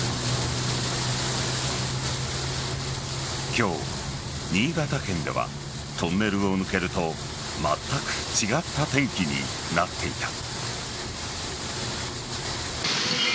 今日、新潟県ではトンネルを抜けるとまったく違った天気になっていた。